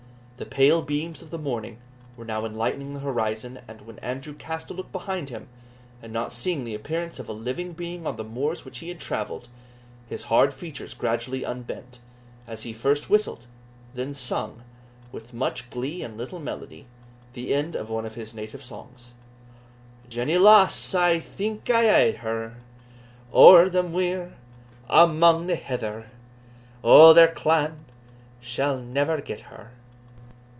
The pale beams of the morning were now enlightening the horizon, when Andrew cast a look behind him, and not seeing the appearance of a living being on the moors which he had travelled, his hard features gradually unbent, as he first whistled, then sung, with much glee and little melody, the end of one of his native songs "Jenny, lass! I think I hae her Ower the muir amang the heather, All their clan shall never get her."